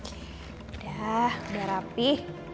udah biar rapi